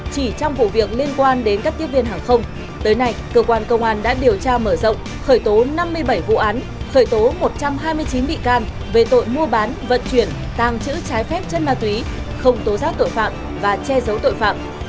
chỉ trong vụ việc liên quan đến các tiếp viên hàng không tới nay cơ quan công an đã điều tra mở rộng khởi tố năm mươi bảy vụ án khởi tố một trăm hai mươi chín bị can về tội mua bán vận chuyển tàng trữ trái phép chất ma túy không tố giác tội phạm và che giấu tội phạm